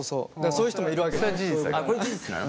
そういう人もいるわけ。